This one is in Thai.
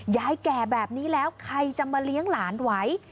แก่แบบนี้แล้วใครจะมาเลี้ยงหลานไว้